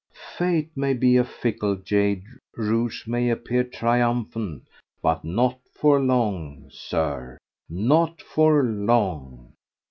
Fate may be a fickle jade, rogues may appear triumphant, but not for long, Sir, not for long!